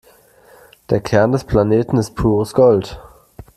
Der Kern des Planeten ist pures Gold.